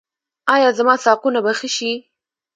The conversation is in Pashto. ایا زما ساقونه به ښه شي؟